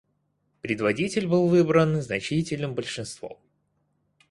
Предводитель был выбран значительным большинством.